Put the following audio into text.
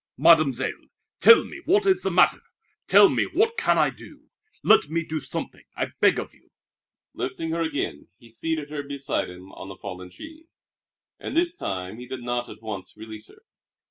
"Mademoiselle! Tell me what is the matter. Tell me what can I do. Let me do something, I beg of you!" Lifting her again, he seated her beside him on the fallen tree; and this time he did not at once release her.